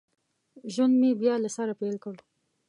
ژوند مې بیا له سره پیل کړ